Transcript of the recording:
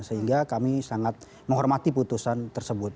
sehingga kami sangat menghormati putusan tersebut